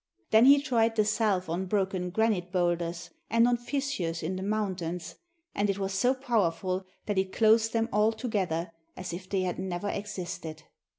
Then he tried the salve on broken granite boulders and on fissures in the mountains, and it was so powerful that it closed them all together as if they had never existed.